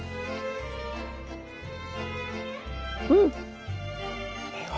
うん！